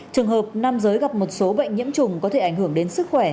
trường hợp nam giới gặp một số bệnh nhiễm trùng có thể ảnh hưởng đến sức khỏe